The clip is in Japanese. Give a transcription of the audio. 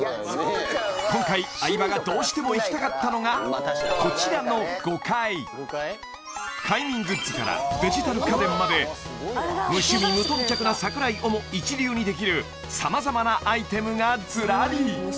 今回相葉がどうしても行きたかったのがこちらの５階快眠グッズからデジタル家電まで無趣味無頓着な櫻井をも一流にできる様々なアイテムがズラリ